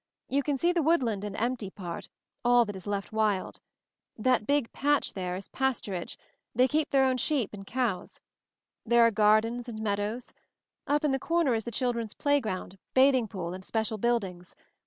"You can see the woodland and empty part — all that is left wild. That big patch there is pasturage 152 MOVING THE MOUNTAIN — they keep their own sheep and cows. There are gardens and meadows. Up in the corner is the children's playground, bath ing pool, and special buildings.